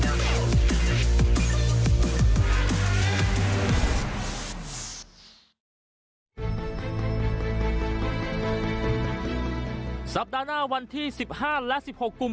แล้วในสัปดาห์หน้าวันที่สิบห้านและสิบหกกุม